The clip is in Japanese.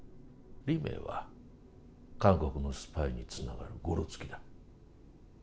李明は韓国のスパイにつながるゴロツキだ。